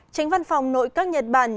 chính văn phòng nội các nhật bản